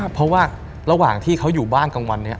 เพราะว่าระหว่างที่เขาอยู่บ้านกลางวันนี้